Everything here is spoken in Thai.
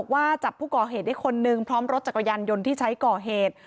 ว่าจับผู้ก่อเหตุได้คนนึงพร้อมรถจักรยานยนต์ที่ใช้ก่อเหตุ